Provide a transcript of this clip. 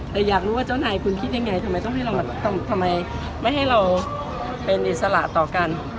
แต่อยากรู้ว่าเจ้านายคุณคิดยังไงทำไมไม่ให้เราเป็นอิสระต่อกัน